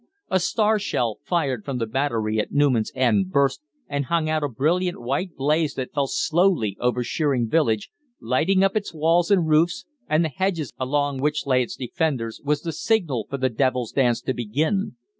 A star shell fired from the battery at Newman's End burst and hung out a brilliant white blaze that fell slowly over Sheering village, lighting up its walls and roofs and the hedges along which lay its defenders, was the signal for the Devil's Dance to begin.